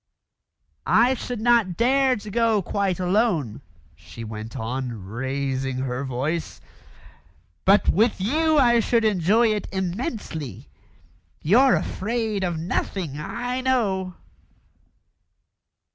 "I should not dare to go quite alone," she went on, raising her voice; "but with you I should enjoy it immensely. You're afraid of nothing, I know."